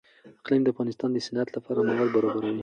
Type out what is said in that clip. اقلیم د افغانستان د صنعت لپاره مواد برابروي.